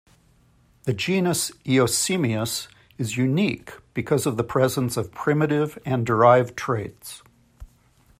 The genus "Eosimias" is unique because of the presence of primitive and derived traits.